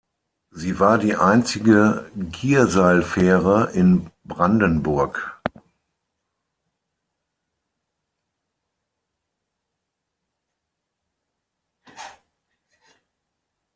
Sie war die einzige Gierseilfähre in Brandenburg.